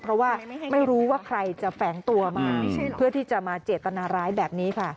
เพราะว่าไม่รู้ว่าใครจะแฝงตัวมาเพื่อที่จะมาเจตนาร้ายแบบนี้ค่ะ